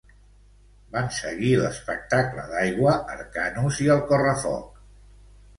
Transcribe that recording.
Van seguir l'espectacle d'aigua Arcanus i el correfoc.